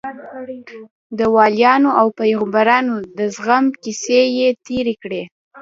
د وليانو او پيغمبرانو د زغم کيسې يې تېرې کړې.